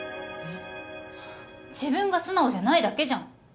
自分が素直じゃないだけじゃん。